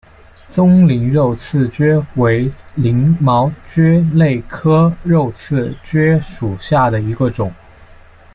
棕鳞肉刺蕨为鳞毛蕨科肉刺蕨属下的一个种。